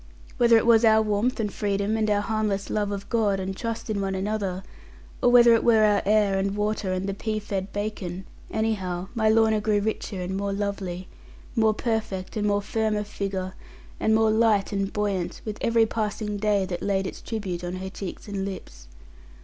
Whether it was our warmth, and freedom, and our harmless love of God, and trust in one another; or whether it were our air, and water, and the pea fed bacon; anyhow my Lorna grew richer and more lovely, more perfect and more firm of figure, and more light and buoyant, with every passing day that laid its tribute on her cheeks and lips.